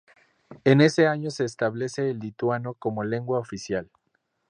En ese año se establece el lituano como lengua oficial.